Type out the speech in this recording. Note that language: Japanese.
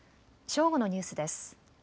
正午のニュースです。